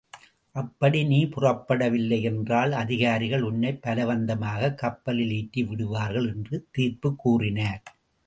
அப்படி நீ புறப்படவில்லை என்றால் அதிகாரிகள் உன்னை பலவந்தமாகக் கப்பலில் ஏற்றி விடுவார்கள் என்று தீர்ப்புக்கூறினார்.